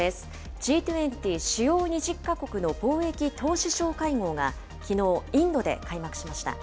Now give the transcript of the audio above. Ｇ２０・主要２０か国の貿易・投資相会合がきのう、インドで開幕しました。